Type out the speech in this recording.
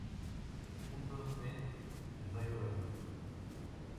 Juntos ven "El rayo verde".